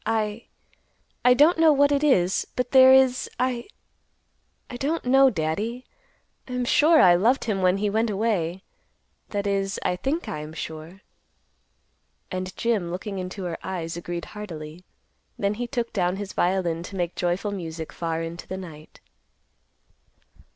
I—I don't know what it is, but there is—I—I don't know, Daddy. I am sure I loved him when he want away, that is, I think I am sure." And Jim, looking into her eyes, agreed heartily; then he took down his violin to make joyful music far into the night.